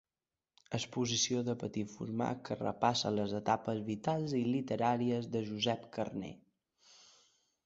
Exposició de petit format que repassa les etapes vitals i literàries de Josep Carner.